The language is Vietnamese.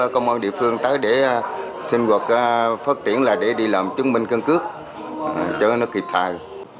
công an địa phương tới để xin gọt phát tiễn là để đi làm chứng minh cân cước cho nó kịp thai